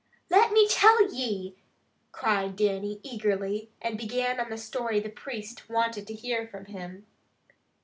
"Let me tell ye!" cried Dannie eagerly, and began on the story the priest wanted to hear from him.